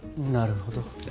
なるほど。